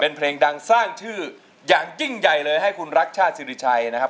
เป็นเพลงดังสร้างชื่ออย่างยิ่งใหญ่เลยให้คุณรักชาติศิริชัยนะครับ